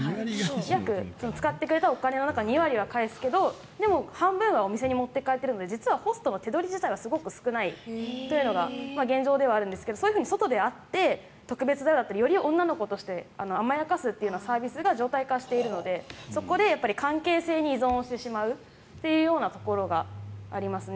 使ってくれたお金の２割は返すけどでも半分はお店に持ってかれるので実はホストの手取り自体はすごく少ないのが現状なんですがそういうふうに外で会って特別だよと、より女の子として甘やかすというサービスが常態化しているのでそこで関係性に依存してしまうところがありますね。